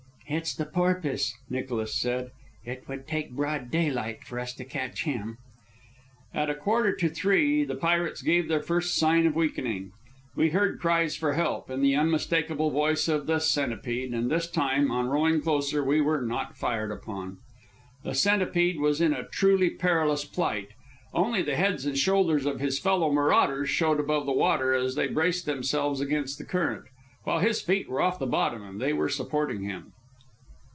"It's the Porpoise," Nicholas said. "It would take broad daylight for us to catch him." At a quarter to three the pirates gave their first sign of weakening. We heard cries for help, in the unmistakable voice of the Centipede, and this time, on rowing closer, we were not fired upon. The Centipede was in a truly perilous plight. Only the heads and shoulders of his fellow marauders showed above the water as they braced themselves against the current, while his feet were off the bottom and they were supporting him.